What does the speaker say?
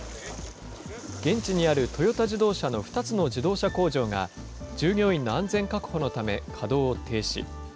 現地にあるトヨタ自動車の２つの自動車工場が、従業員の安全確保のため、稼働を停止。